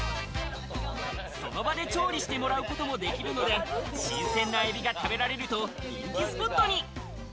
その場で調理してもらうこともできるので新鮮なエビが食べられると人気スポットに。